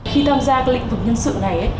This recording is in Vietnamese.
khi tham gia cái lĩnh vực nhân sự này